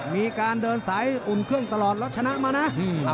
มีการเดินสายอุ่นเครื่องตลอดแล้วชนะมานะ